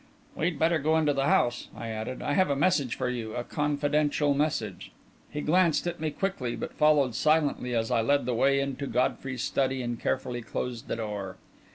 "We'd better go into the house," I added. "I have a message for you a confidential message." He glanced at me quickly, but followed silently, as I led the way into Godfrey's study and carefully closed the door.